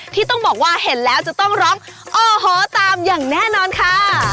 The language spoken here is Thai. ที่ต้องบอกว่าเห็นแล้วจะต้องร้องโอ้โหตามอย่างแน่นอนค่ะ